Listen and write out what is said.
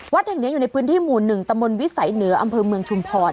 แห่งนี้อยู่ในพื้นที่หมู่๑ตมวิสัยเหนืออำเภอเมืองชุมพร